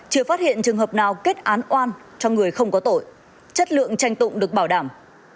chưa phát hiện trường hợp nào kết án oan cho người không có tội chất lượng tranh tụng được bảo đảm